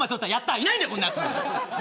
いないんだよ、こんなやつ。